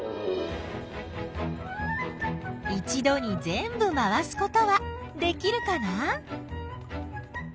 一どにぜんぶまわすことはできるかな？